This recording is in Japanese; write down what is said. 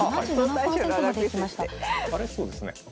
そうですね。